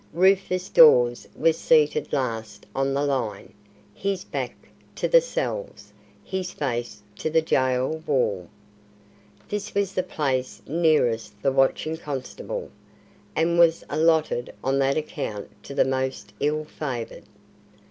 Rufus Dawes was seated last on the line his back to the cells, his face to the gaol wall. This was the place nearest the watching constable, and was allotted on that account to the most ill favoured.